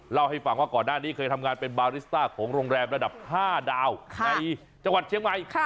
เล่าให้ฟังว่าก่อนหน้านี้เคยทำงานเป็นบาริสต้าของโรงแรมระดับ๕ดาวในจังหวัดเชียงใหม่